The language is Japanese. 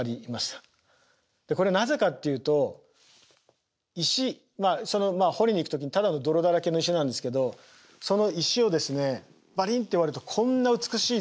これなぜかっていうと石まあその掘りに行く時にただの泥だらけの石なんですけどその石をですねパリンって割るとこんな美しい造形物が現れるんですね。